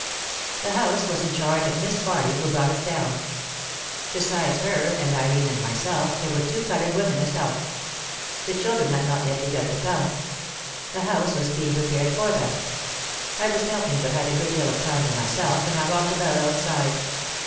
The house was in charge of Miss Farly who brought us down. Besides her, and Irene and myself, there were two coloured women as help. The children had not yet begun to come. The house was being prepared for them. I was helping but had a good deal of time to myself and I walked about outside.